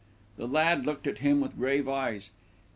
The lad looked at him with grave eyes.